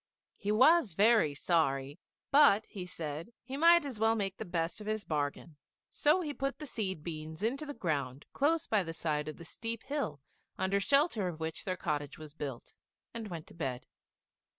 He was very sorry; but, he said, he might as well make the best of his bargain, so he put the seed beans into the ground close by the side of the steep hill under shelter of which their cottage was built, and went to bed.